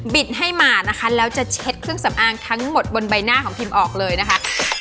ให้มานะคะแล้วจะเช็ดเครื่องสำอางทั้งหมดบนใบหน้าของพิมออกเลยนะคะ